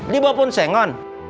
di bawah pun sengon